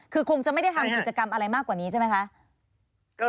คือคงจะไม่ได้ทำกิจกรรมอะไรมากกว่านี้ใช่ไหมคะ